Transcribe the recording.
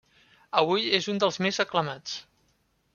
Avui és un dels més aclamats.